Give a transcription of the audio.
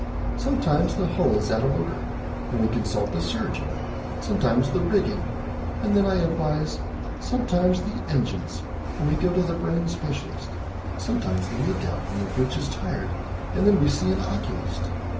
Sometimes the hull is out of order, and we consult the surgeon; sometimes the rigging, and then I advise; sometimes the engines, and we go to the brain specialist; sometimes the look out on the bridge is tired, and then we see an oculist.